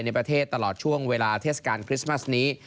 ในประเทศตลอดช่วงเวลาเทศกาลคริสต์มัสนี้